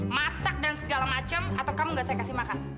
masak dan segala macam atau kamu nggak saya kasih makan